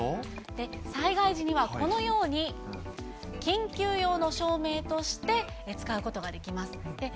災害時には、このように緊急用の照明として使うことができます。